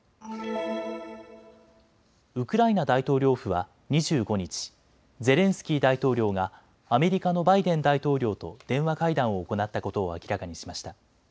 ウクライナ大統領府は２５日、ゼレンスキー大統領がアメリカのバイデン大統領と電話会談を行ったことを明らかにしました。